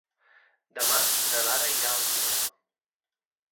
Demà na Lara irà al cinema.